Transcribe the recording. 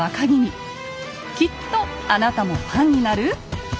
きっとあなたもファンになる？